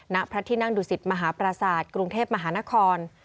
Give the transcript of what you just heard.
ณพระที่นั่งดุสิตมหาปราศาสตร์กรุงเทพมหานคร